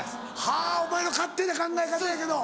はぁお前の勝手な考え方やけど。